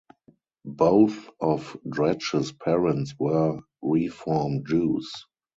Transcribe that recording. Both of Dratch's parents were Reform Jews.